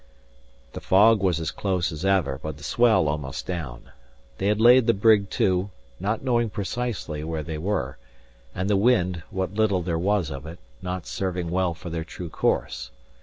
The fog was as close as ever, but the swell almost down. They had laid the brig to, not knowing precisely where they were, and the wind (what little there was of it) not serving well for their true course.